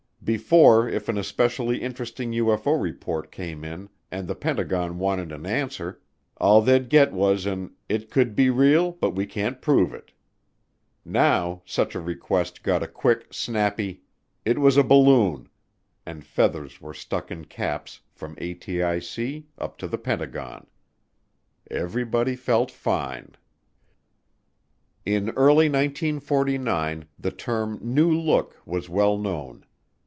Before if an especially interesting UFO report came in and the Pentagon wanted an answer, all they'd get was an "It could be real but we can't prove it." Now such a request got a quick, snappy "It was a balloon," and feathers were stuck in caps from ATIC up to the Pentagon. Everybody felt fine. In early 1949 the term "new look" was well known.